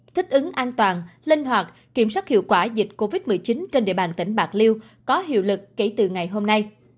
thích ứng an toàn linh hoạt kiểm soát hiệu quả dịch covid một mươi chín trên địa bàn tỉnh bạc liêu có hiệu lực kể từ ngày hôm nay